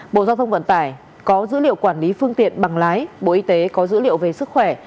bộ giao thông vận tải có dữ liệu quản lý phương tiện bằng lái bộ y tế có dữ liệu về sức khỏe